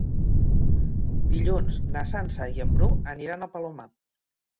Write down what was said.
Dilluns na Sança i en Bru aniran al Palomar.